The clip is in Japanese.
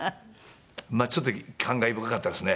ちょっと感慨深かったですね。